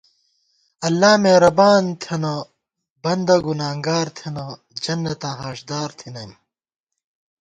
اللہ میرَبان تھنہ بندہ گُنانگار تھنہ جنتاں ہاݭدار تھنَئیم